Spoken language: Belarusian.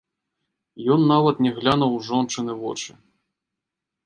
Ён нават не глянуў у жончыны вочы.